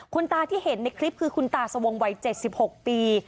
คุณตาที่เห็นในคลิปคือคุณตาสวงวัย๗๖ปี